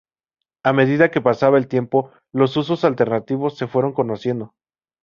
A medida que pasaba el tiempo, los usos alternativos se fueron conociendo.